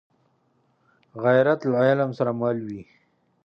غیرت له علم سره مل وي